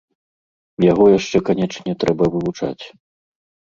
Яго яшчэ, канечне, трэба вывучаць.